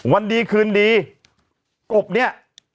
วันดีกบเนี่ย